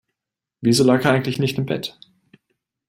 Wieso lag er eigentlich nicht im Bett?